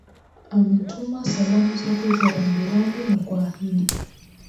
ametuma salamu zake za rambirambi na kuahidi